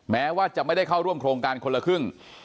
แม้ว่าจะไม่ได้เข้าร่วมโครงการคนละครึ่ง